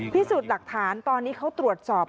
พิสูจน์หลักฐานตอนนี้เขาตรวจสอบ